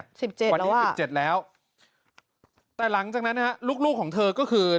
๑๗แล้วว่ะวันนี้๑๗แล้วแต่หลังจากนั้นลูกของเธอก็คือ